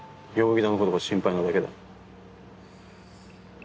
田のことが心配なだけだ。